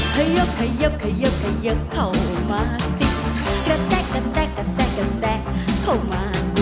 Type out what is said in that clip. เขยิบเขยิบเขยิบเข้ามาสิกระแทะกระแทะกระแทะกระแทะเข้ามาสิ